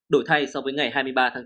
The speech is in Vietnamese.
đổi thay so với ngày hai mươi ba tháng bốn